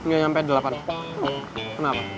gak nyampe delapan kenapa